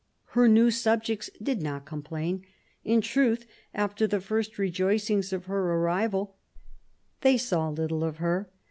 Her new subjects did not complain ; in truth, after the first rejoicings of her arrival, they saw little of her.